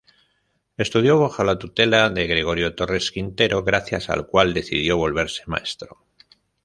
Estudió bajo la tutela de Gregorio Torres Quintero, gracias al cual decidió volverse maestro.